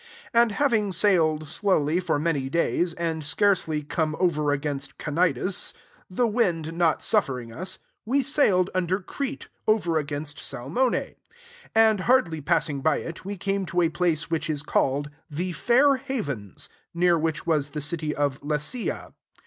7 And, having sailed slowly for many days, and scarcely come over against Cnldus, the wind not suffering us, we sail ed under Crete, over against Salmon^ : 8 and, hardly passing hy it, we came to a place which is called the Fayr havens ; near which was the city of Las€a.